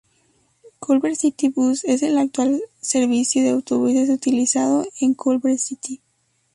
Culver City Bus es el actual servicio de autobuses utilizado en Culver City.